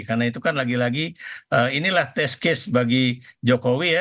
karena itu kan lagi lagi inilah test case bagi jokowi ya